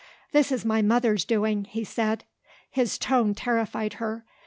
"This is my mother's doing," he said. His tone terrified her.